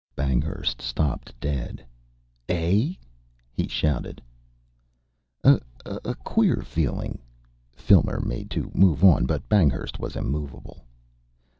Banghurst stopped dead. "Eh?" he shouted. "A queer feeling." Filmer made to move on, but Banghurst was immovable.